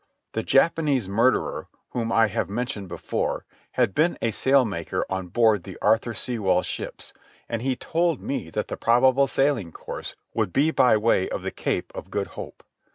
The Japanese murderer, whom I have mentioned before, had been a sailmaker on board the Arthur Sewall ships, and he told me that the probable sailing course would be by way of the Cape of Good Hope.